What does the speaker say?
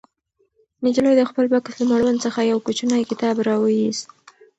نجلۍ د خپل بکس له مړوند څخه یو کوچنی کتاب راوویست.